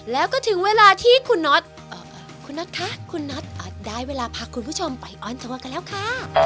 แล้วก็ถึงเวลาที่คุณน็อตคุณน็อตคะคุณน็อตอาจได้เวลาพาคุณผู้ชมไปออนทัวร์กันแล้วค่ะ